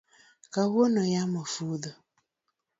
Kawuono yamo fudho